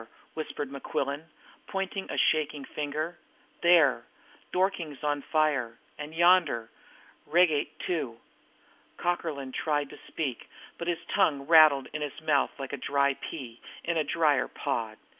whispered Mequillen, pointing a shaking finger. "There Dorking's on fire! And yonder, Reigate, too!" Cockerlyne tried to speak, but his tongue rattled in his mouth like a dry pea, in a drier pod.